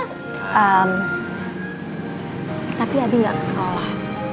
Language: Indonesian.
tapi abi gak ke sekolah